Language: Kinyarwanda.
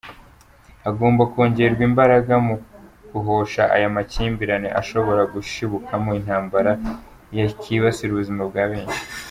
Hagomba kongerwa imbaraga mu guhosha aya makimbirane ashobora gushibukamo intambara yakibasira ubuzima bwa benshi.